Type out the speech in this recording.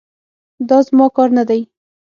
دا زما کار نه دی.